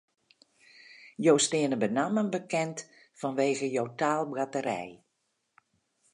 Jo steane benammen bekend fanwege jo taalboarterij.